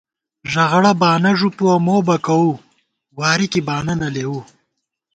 ݫغڑہ بانہ ݫُپُوَہ مو بکَوُو، واری کی بانہ نہ لېوُو